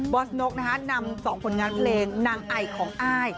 บอสโน๊กนะฮะนำ๒ผลงานเพลงนางไอของอาย